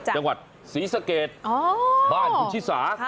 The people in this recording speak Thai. จังหวัดศรีสะเกดบ้านคุณชิสา